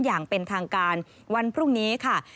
อย่างเป็นทางการวันพรุ่งนี้ค่ะ